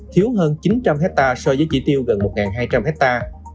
thiếu hơn chín trăm linh hectare so với chỉ tiêu gần một hai trăm linh hectare